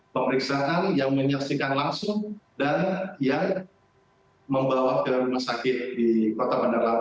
pemeriksaan yang menyaksikan langsung dan yang membawa ke rumah sakit di kota bandar lampung